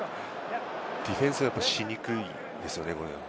ディフェンスがしにくいですよね、これ。